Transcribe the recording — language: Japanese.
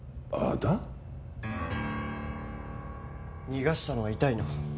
逃がしたのは痛いな。